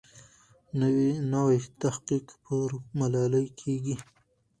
نوی تحقیق پر ملالۍ کېږي.